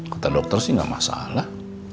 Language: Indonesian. kata dokter sih nggak masalah